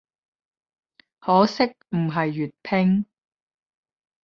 可惜唔係粵拼